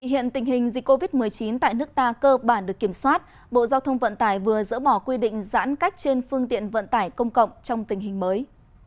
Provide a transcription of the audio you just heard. hiện tình hình dịch covid một mươi chín tại nước ta cơ bản được kiểm soát bộ giao thông vận tải vừa dỡ bỏ quy định giãn cách trên phương tiện vận tải công cộng trong tình hình mới